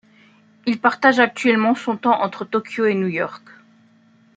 Il partage actuellement son temps entre Tokyo et New York.